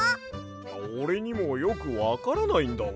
おれにもよくわからないんだわ。